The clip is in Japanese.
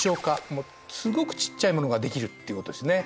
すごくちっちゃいものができるっていうことですね。